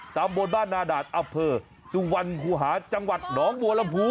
ตำบลบ้านนาดาตอเภอสุวรรณคูหาจังหวัดหนองบัวลำพู